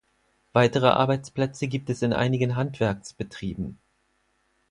Weitere Arbeitsplätze gibt es in einigen Handwerksbetrieben.